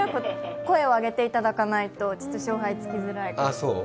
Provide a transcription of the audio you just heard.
声を上げていただかないと、勝敗つきづらいかなと。